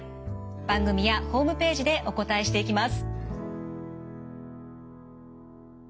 番組やホームページでお答えしていきます。